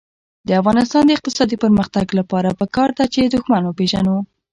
د افغانستان د اقتصادي پرمختګ لپاره پکار ده چې دښمن وپېژنو.